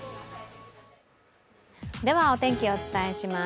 ではお天気をお伝えします。